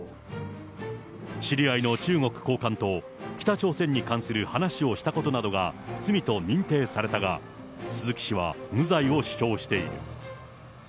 知り合いの中国高官と北朝鮮に関する話をしたことなどが罪と認定されたが、鈴木氏は無罪を主張している。